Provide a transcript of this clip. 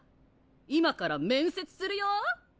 今から面接するよ。